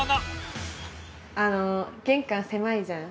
あの玄関狭いじゃん。